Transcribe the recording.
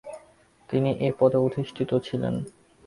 তিনি এ পদে অধিষ্ঠিত ছিলেন।